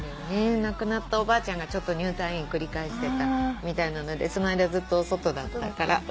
亡くなったおばあちゃんが入退院繰り返してたみたいなのでその間ずっとお外だったから。